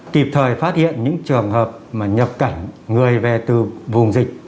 kịp thời phát hiện những trường hợp mà nhập cảnh người về từ vùng dịch